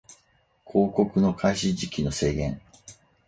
広告の開始時期の制限